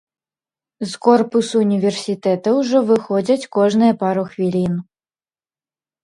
З корпусу ўніверсітэта ўжо выходзяць кожныя пару хвілін.